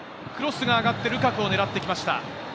クロスが上がって、ルカクを狙ってきました。